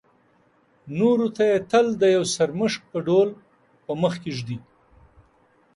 نورو ته یې تل د یو سرمشق په ډول په مخکې ږدي.